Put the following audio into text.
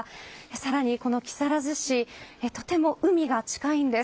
更にこの木更津市とても海が近いんです。